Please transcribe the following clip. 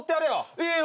いいよ。